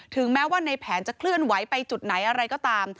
แม้ว่าในแผนจะเคลื่อนไหวไปจุดไหนอะไรก็ตาม